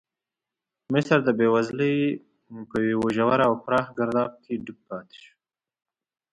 مصر د بېوزلۍ په یو ژور او پراخ ګرداب کې ډوب پاتې شو.